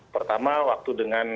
pertama waktu dengan